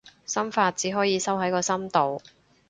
心法，只可以收喺個心度